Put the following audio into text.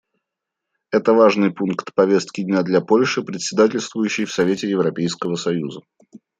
Это важный пункт повестки дня для Польши, председательствующей в Совете Европейского союза.